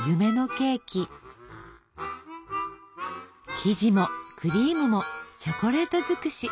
生地もクリームもチョコレートづくし！